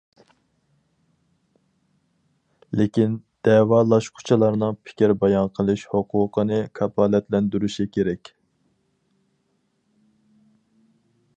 لېكىن دەۋالاشقۇچىلارنىڭ پىكىر بايان قىلىش ھوقۇقىنى كاپالەتلەندۈرۈشى كېرەك.